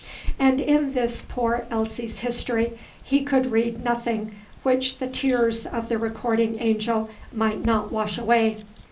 And in this poor Elsie's history he could read nothing which the tears of the recording angel might not wash away.